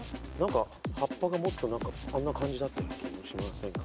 葉っぱがもっと何かあんな感じだったような気もしませんか？